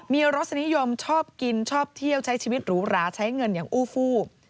มีรสนิยมชอบกินชอบเที่ยวใช้ชีวิตหรูหราใช้เงินอย่างอู้ฟู